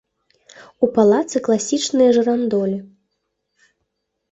У палацы класічныя жырандолі.